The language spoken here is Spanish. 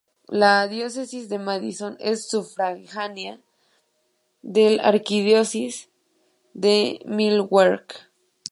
La Diócesis de Madison es sufragánea de la Arquidiócesis de Milwaukee.